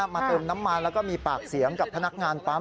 เติมน้ำมันแล้วก็มีปากเสียงกับพนักงานปั๊ม